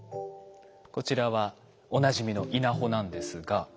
こちらはおなじみの稲穂なんですが。